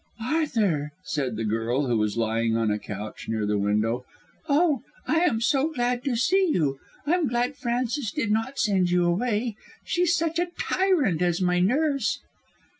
"Arthur," said the girl, who was lying on a couch near the window, "oh, I am so glad to see you. I'm glad Frances did not send you away. She's such a tyrant as my nurse."